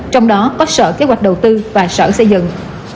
trong đó có sở kế hoạch đầu tư và sở xây dựng